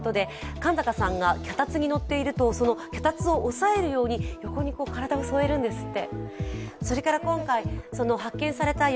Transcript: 勘坂さんが脚立に乗っていると、その脚立を押さえるように横に体を添えるんですって。